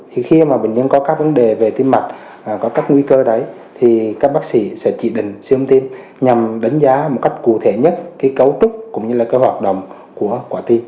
thì khi mà bệnh nhân có các vấn đề về tim mạch có các nguy cơ đấy thì các bác sĩ sẽ chỉ định siêu âm tiêm nhằm đánh giá một cách cụ thể nhất cái cấu trúc cũng như là cái hoạt động của quả tim